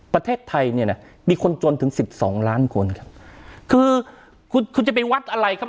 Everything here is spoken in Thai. ประเทศไทยเนี่ยนะมีคนจนถึงสิบสองล้านคนครับคือคุณคุณจะไปวัดอะไรครับ